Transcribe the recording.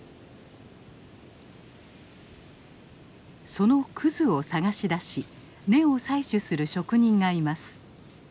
そのクズを探し出し根を採取する職人がいます。